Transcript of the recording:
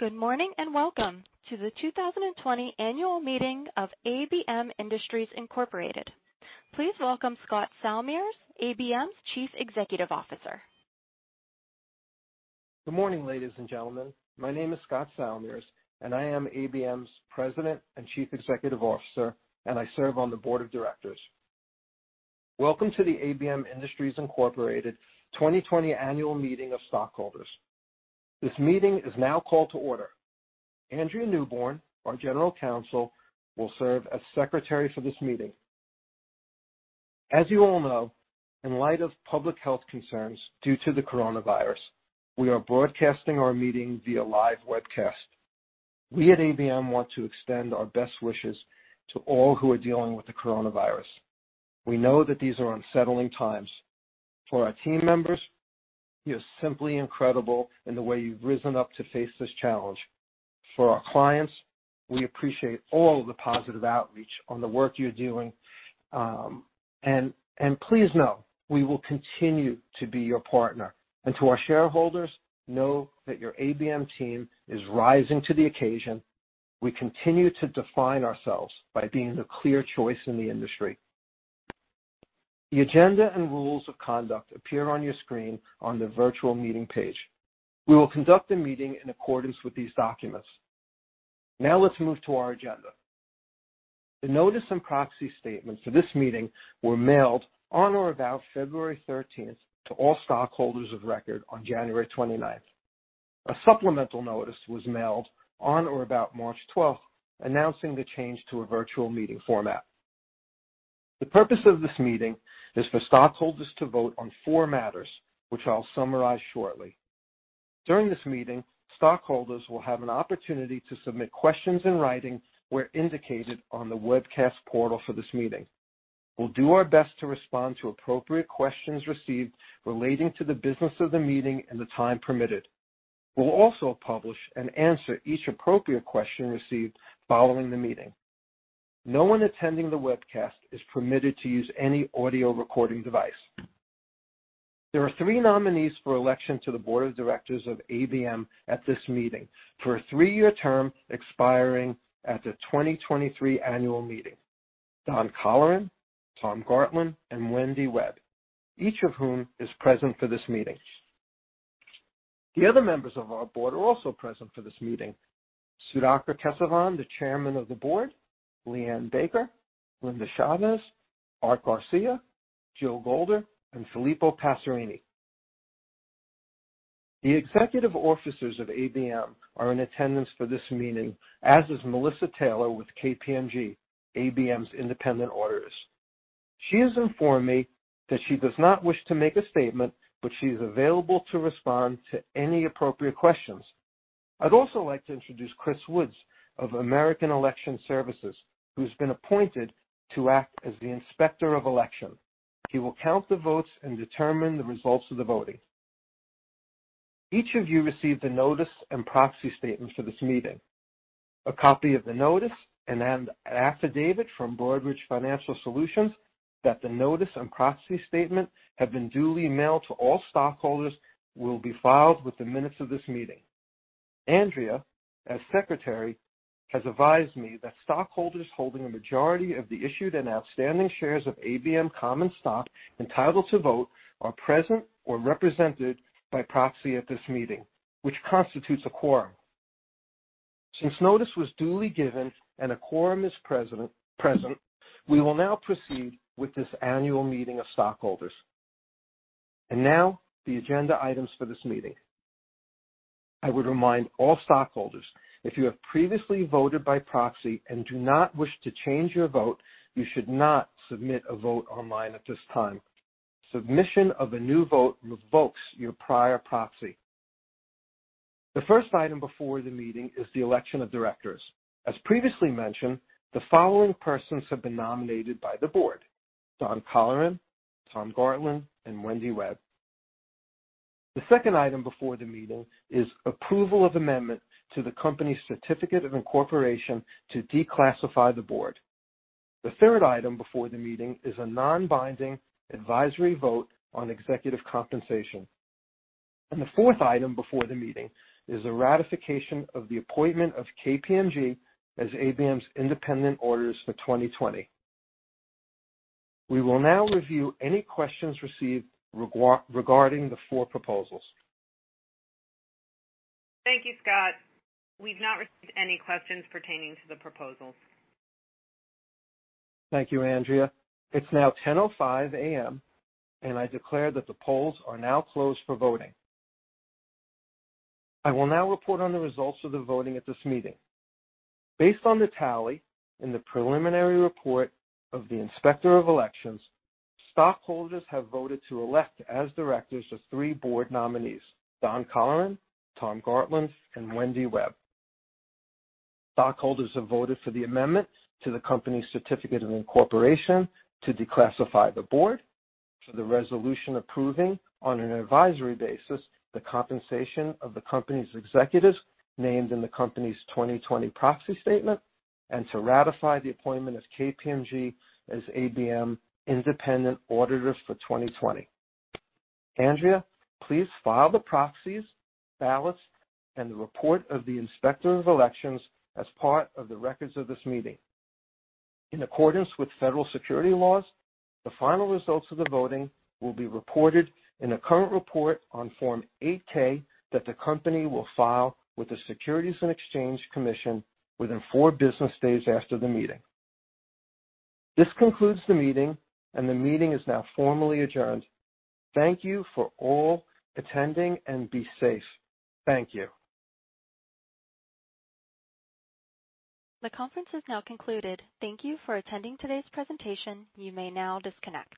Good morning, welcome to the 2020 Annual Meeting of ABM Industries Incorporated. Please welcome Scott Salmirs, ABM's Chief Executive Officer. Good morning, ladies and gentlemen. My name is Scott Salmirs, and I am ABM's President and Chief Executive Officer, and I serve on the Board of Directors. Welcome to the ABM Industries Incorporated 2020 Annual Meeting of Stockholders. This meeting is now called to order. Andrea Newborn, our general counsel, will serve as secretary for this meeting. As you all know, in light of public health concerns due to the coronavirus, we are broadcasting our meeting via live webcast. We at ABM want to extend our best wishes to all who are dealing with the coronavirus. We know that these are unsettling times. For our team members, you're simply incredible in the way you've risen up to face this challenge. For our clients, we appreciate all of the positive outreach on the work you're doing. Please know we will continue to be your partner. To our shareholders, know that your ABM team is rising to the occasion. We continue to define ourselves by being the clear choice in the industry. The agenda and rules of conduct appear on your screen on the virtual meeting page. We will conduct the meeting in accordance with these documents. Let's move to our agenda. The notice and proxy statements for this meeting were mailed on or about February 13th to all stockholders of record on January 29th. A supplemental notice was mailed on or about March 12th announcing the change to a virtual meeting format. The purpose of this meeting is for stockholders to vote on four matters, which I'll summarize shortly. During this meeting, stockholders will have an opportunity to submit questions in writing where indicated on the webcast portal for this meeting. We'll do our best to respond to appropriate questions received relating to the business of the meeting in the time permitted. We'll also publish and answer each appropriate question received following the meeting. No one attending the webcast is permitted to use any audio recording device. There are three nominees for election to the board of directors of ABM at this meeting for a three-year term expiring at the 2023 Annual Meeting: Don Colleran, Tom Gartland, and Wendy Webb, each of whom is present for this meeting. The other members of our board are also present for this meeting: Sudhakar Kesavan, the Chairman of the Board, LeighAnne Baker, Linda Chavez, Art Garcia, Jill Golder, and Filippo Passerini. The executive officers of ABM are in attendance for this meeting, as is Melissa Taylor with KPMG, ABM's independent auditors. She has informed me that she does not wish to make a statement, but she is available to respond to any appropriate questions. I'd also like to introduce Chris Woods of American Election Services, who's been appointed to act as the inspector of election. He will count the votes and determine the results of the voting. Each of you received a notice and proxy statement for this meeting. A copy of the notice and an affidavit from Broadridge Financial Solutions that the notice and proxy statement have been duly mailed to all stockholders will be filed with the minutes of this meeting. Andrea, as secretary, has advised me that stockholders holding a majority of the issued and outstanding shares of ABM common stock entitled to vote are present or represented by proxy at this meeting, which constitutes a quorum. Since notice was duly given and a quorum is present, we will now proceed with this annual meeting of stockholders. Now the agenda items for this meeting. I would remind all stockholders, if you have previously voted by proxy and do not wish to change your vote, you should not submit a vote online at this time. Submission of a new vote revokes your prior proxy. The first item before the meeting is the election of directors. As previously mentioned, the following persons have been nominated by the board: Don Colleran, Tom Gartland, and Wendy Webb. The second item before the meeting is approval of amendment to the company's certificate of incorporation to declassify the board. The third item before the meeting is a non-binding advisory vote on executive compensation. The fourth item before the meeting is a ratification of the appointment of KPMG as ABM's independent auditors for 2020. We will now review any questions received regarding the four proposals. Thank you, Scott. We've not received any questions pertaining to the proposals. Thank you, Andrea. It's now 10:05 A.M. I declare that the polls are now closed for voting. I will now report on the results of the voting at this meeting. Based on the tally in the preliminary report of the inspector of elections, stockholders have voted to elect as directors the three board nominees, Don Colleran, Tom Gartland, and Wendy Webb. Stockholders have voted for the amendments to the company certificate of incorporation to declassify the board, for the resolution approving, on an advisory basis, the compensation of the company's executives named in the company's 2020 proxy statement, and to ratify the appointment of KPMG as ABM independent auditors for 2020. Andrea, please file the proxies, ballots, and the report of the inspector of elections as part of the records of this meeting. In accordance with federal security laws, the final results of the voting will be reported in a current report on Form 8-K that the company will file with the Securities and Exchange Commission within four business days after the meeting. This concludes the meeting, and the meeting is now formally adjourned. Thank you for all attending, and be safe. Thank you. The conference is now concluded. Thank you for attending today's presentation. You may now disconnect.